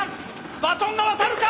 バトンが渡るか！